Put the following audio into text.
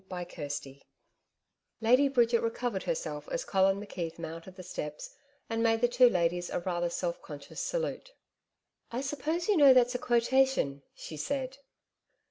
CHAPTER 12 Lady Bridget recovered herself as Colin McKeith mounted the steps and made the two ladies a rather self conscious salute. 'I suppose you know that's a quotation,' she said.